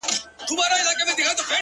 • کارګه وویل خبره دي منمه ,